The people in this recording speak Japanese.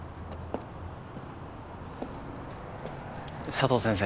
佐藤先生